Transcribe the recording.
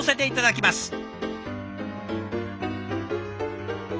いただきます。